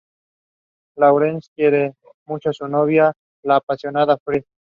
Laurence quiere mucho a su novia, la apasionada Fred.